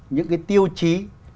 những cái tiêu chí